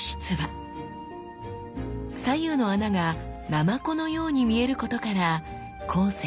左右の穴が海鼠のように見えることから後世